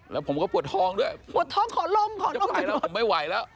แล้วผมก็ปวดท้องด้วยปวดท้องขอลมขอจะไปแล้วผมไม่ไหวแล้ว